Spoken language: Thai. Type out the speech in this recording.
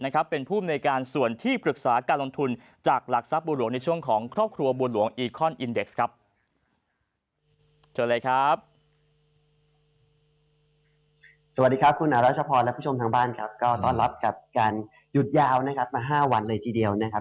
ก็ต้อนรับกับการหยุดยาวมา๕วันเลยทีเดียวนะครับ